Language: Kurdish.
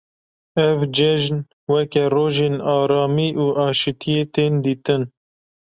Ev cejn weke rojên aramî û aşîtiyê tên dîtin.